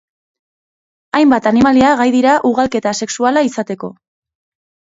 Hainbat animalia gai dira ugalketa asexuala izateko.